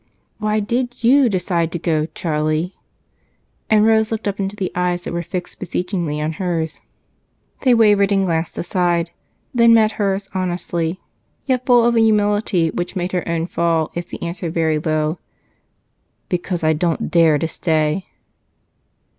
"Why did you decide to go, Charlie?" And Rose looked up into the eyes that were fixed beseechingly on hers. They wavered and glanced aside, then met hers honestly yet full of humility, which made her own fall as he answered very low: "Because I don't dare to stay."